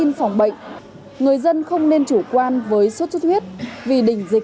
nó cũng có cây cối